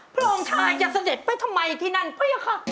พระองค์ชายจะเสด็จไปทำไมที่นั่นไปอะค่ะ